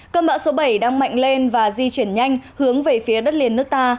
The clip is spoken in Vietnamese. cơn bão số bảy đang mạnh lên và di chuyển nhanh hướng về phía đất liền nước ta